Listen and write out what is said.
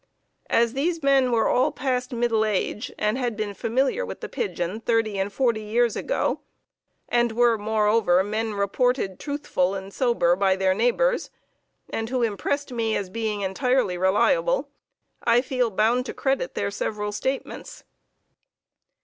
As these men were all past middle age and had been familiar with the pigeon thirty and forty years ago and were, moreover, men reported truthful and sober by their neighbors, and who impressed me as being entirely reliable, I feel bound to credit their several statements.